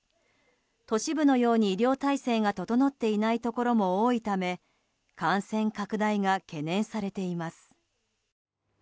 都市部のように医療体制が整っていないところも多いため感染拡大が懸念されています。